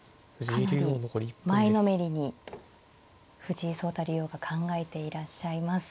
かなり前のめりに藤井聡太竜王が考えていらっしゃいます。